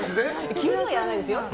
急には、やらないですよ。